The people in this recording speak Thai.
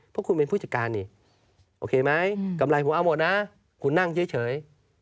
เพราะคุณเป็นผู้จัดการนี่โอเคไหมกำไรผมเอาหมดนะคุณนั่งเฉย